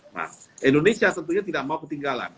nah indonesia tentunya tidak mau ketinggalan